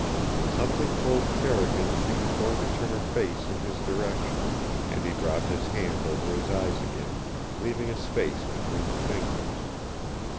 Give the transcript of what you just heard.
Something told Carrigan she was going to turn her face in his direction, and he dropped his hand over his eyes again, leaving a space between the fingers.